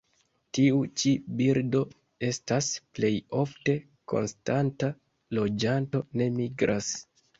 Tiu ĉi birdo estas plej ofte konstanta loĝanto; ne migras.